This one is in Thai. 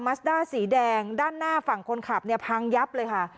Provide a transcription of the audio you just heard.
ัสด้าสีแดงด้านหน้าฝั่งคนขับเนี่ยพังยับเลยค่ะ